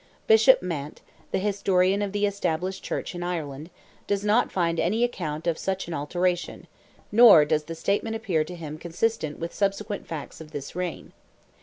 Bishop Mant, the historian of the Established Church in Ireland, does not find any account of such an alteration, nor does the statement appear to him consistent with subsequent facts of this reign.